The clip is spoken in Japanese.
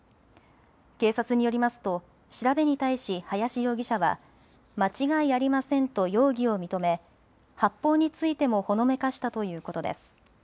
警察によりますと調べに対し林容疑者は間違いありませんと容疑を認め発砲についてもほのめかしたということです。